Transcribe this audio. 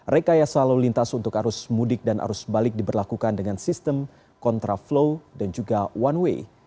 rekayasa lalu lintas untuk arus mudik dan arus balik diberlakukan dengan sistem kontraflow dan juga one way